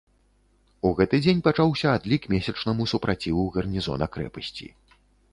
У гэты дзень пачаўся адлік месячнаму супраціву гарнізона крэпасці.